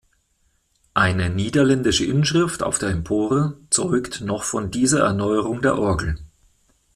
Eine niederländische Inschrift auf der Empore zeugt noch von dieser Erneuerung der Orgel.